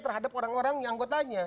terhadap orang orang yang anggotanya